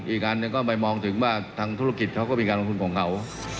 อีกอันหนึ่งก็ไปมองถึงว่าทางธุรกิจเขาก็มีการลงทุนของเขา